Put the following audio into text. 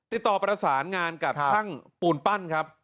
ติดต่อประสานงานกับช่างปูนปั้นครับ